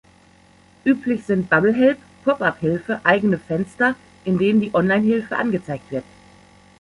Üblich sind Bubble Help, Pop-up-Hilfe, eigene Fenster, in denen die Online-Hilfe angezeigt wird.